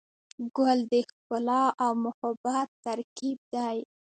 ګل د ښکلا او محبت ترکیب دی.